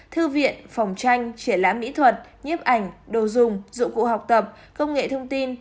thư viện phòng tranh triển lãm mỹ thuật nhếp ảnh đồ dùng dụng cụ học tập công nghệ thông tin